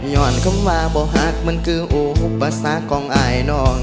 ย้อนคำว่าบ่หักมันคืออุปสากองอายน้อง